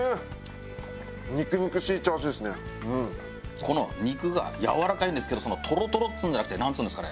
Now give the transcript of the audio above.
この肉がやわらかいんですけどとろとろっつうんじゃなくてなんつうんですかね